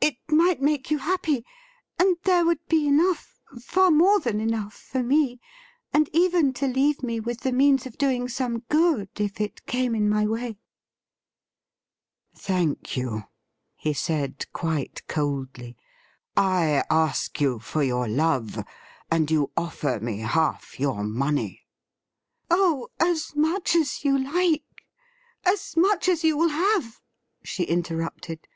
It might make you happy ; and thei e would be enough — far more than enough — ^for me; and even to leave me with the means of doing some good if it came in my way.' ' Thank you,' he said quite coldly, ' I ask you for your love, and you ofiFer me half your money '' Oh, as much as you like — as much as you will have,' she interrupted.